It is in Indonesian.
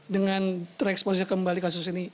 dengan tereksposnya kembali kasus ini